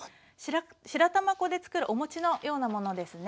白玉粉でつくるお餅のようなものですね。